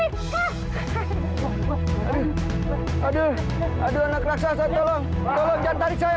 hai hai hai hai hai hai mika hadir aduh aduh anak raksasa tolong tolong jangan tarik saya